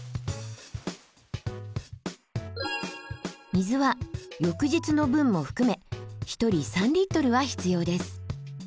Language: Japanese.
水は翌日の分も含め１人３は必要です。